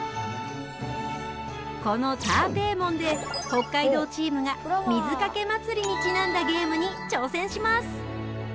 このターペー門で北海道チームが水かけ祭りにちなんだゲームに挑戦します。